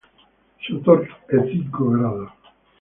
Se otorga en cinco grados.